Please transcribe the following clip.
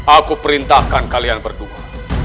aku perintahkan kalian berdua